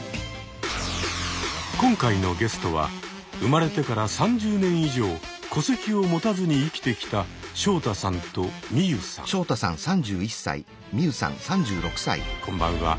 今回のゲストは生まれてから３０年以上戸籍を持たずに生きてきたこんばんは。